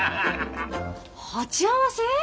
鉢合わせ！？